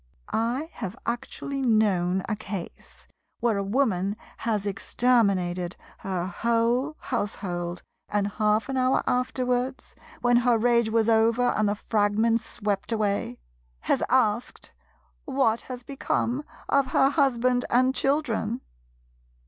I have actually known a case where a Woman has exterminated her whole household, and half an hour afterwards, when her rage was over and the fragments swept away, has asked what has become of her husband and children.